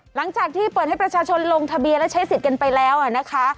หลังจากที่เปิดให้ประชาชนลงทะเบียนและใช้สิทธิ์กันไปแล้วนะคะ